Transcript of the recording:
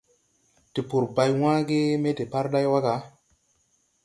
Tpur bay wããge me deparday wa ga ?